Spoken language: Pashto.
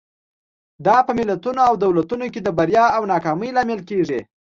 دا په ملتونو او دولتونو کې د بریا او ناکامۍ لامل کېږي.